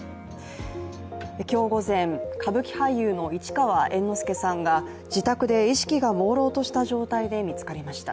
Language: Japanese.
今日午前、歌舞伎俳優の市川猿之助さんが自宅で意識がもうろうとした状態で見つかりました。